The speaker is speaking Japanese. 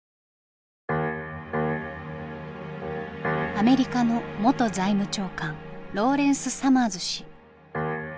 アメリカの元財務長官ローレンス・サマーズ氏。